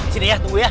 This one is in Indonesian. sini ya tunggu ya